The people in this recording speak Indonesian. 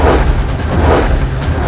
aku akan menang